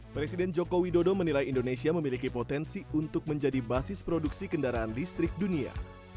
presiden joko widodo menilai indonesia memiliki potensi untuk menjadi basis produksi kendaraan listrik dunia